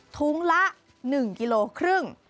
ถุงละ๑กิโล๕บาท